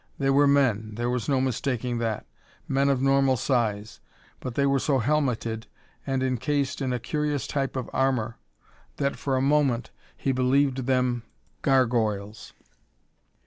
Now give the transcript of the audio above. They were men there was no mistaking that men of normal size, but they were so helmeted and incased in a curious type of armor that for a moment he believed them gargoyles.